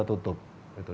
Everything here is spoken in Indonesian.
dan semua peserta